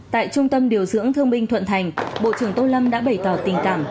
tại trung tâm điều dưỡng thương binh thuận thành bộ trưởng tô lâm đã bày tỏ tình cảm